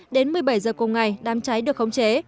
đến một mươi bảy h cùng ngày đám cháy được khống chế